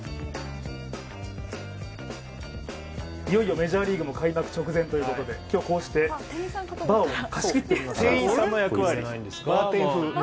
いよいよメジャーリーグも開幕直前ということで、今日、こうしてバーを。